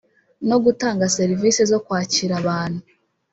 no gutanga serivisi zo kwakira abantu